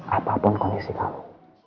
apapun kondisi kamu